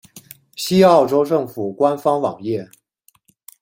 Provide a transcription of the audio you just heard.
西澳州政府官方网页